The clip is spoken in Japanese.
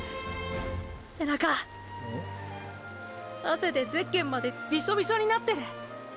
汗でゼッケンまでビショビショになってる。